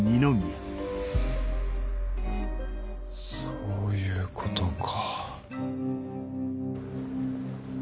そういうことか。